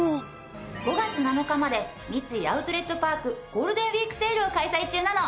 ５月７日まで三井アウトレットパークゴールデンウィークセールを開催中なの。